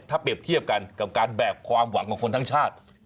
ถ้าเปรียบเทียบกันกับการแบกความหวังของคนทั้งชาติ